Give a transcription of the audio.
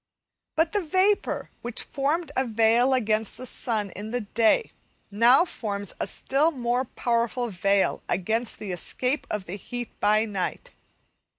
But the vapour which formed a veil against the sun in the day, now forms a still more powerful veil against the escape of the heat by night.